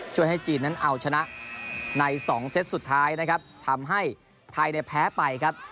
ให้จีนนั้นเอาชนะในสองเซตสุดท้ายนะครับทำให้ไทยเนี่ยแพ้ไปครับ